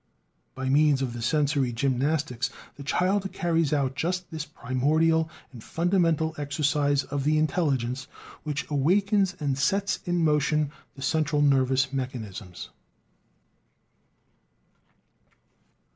By means of the sensory gymnastics the child carries out just this primordial and fundamental exercise of the intelligence, which awakens and sets in motion the central nervous mechanisms.